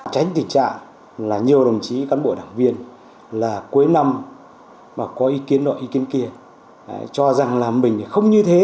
chỉ cán bộ đảng viên là cuối năm mà có ý kiến đó ý kiến kia cho rằng là mình không như thế